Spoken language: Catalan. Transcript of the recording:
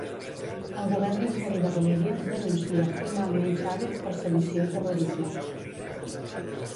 El govern interí de Bolívia denuncia formalment Chávez per sedició i terrorisme.